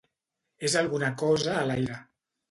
És alguna cosa a l'aire.